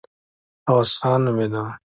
عوض خان نومېده.